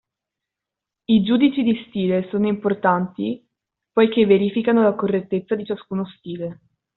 I giudici di stile sono importanti poichè verificano la correttezza di ciascuno stile